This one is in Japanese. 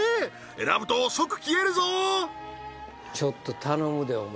選ぶと即消えるぞちょっと頼むでお前